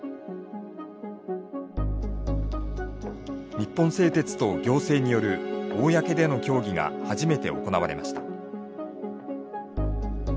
日本製鉄と行政による公での協議が初めて行われました。